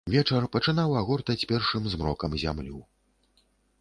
Вечар пачынаў агортаць першым змрокам зямлю.